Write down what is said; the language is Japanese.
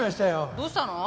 どうしたの？